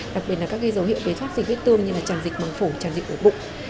đặc biệt là các dấu hiệu về thoát dịch huyết tương như là tràn dịch bằng phổ tràn dịch bởi bụng